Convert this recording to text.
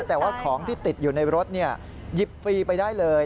แต่ว่าของที่ติดอยู่ในรถหยิบฟรีไปได้เลย